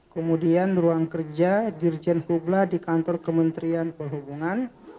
kemudian ruang kerja dirjen hubla di kantor kementerian perhubungan